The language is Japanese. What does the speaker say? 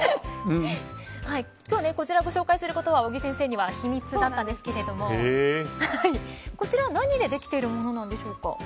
こちらをご紹介することは尾木先生には秘密だったんですがこちらは何でできているものなんでしょうか。